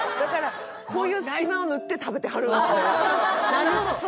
なるほど。